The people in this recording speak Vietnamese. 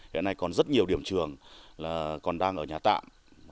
hiện nay còn rất nhiều điểm trường là còn đang ở nhà tạm